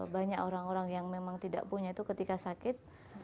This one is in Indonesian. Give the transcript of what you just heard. banyak orang orang yang tidak punya ketika sakit